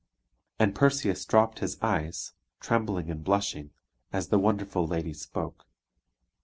And Perseus dropped his eyes, trembling and blushing, as the wonderful lady spoke.